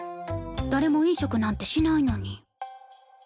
誰も飲食なんてしないのに。